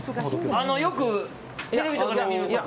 よくテレビとかで見る。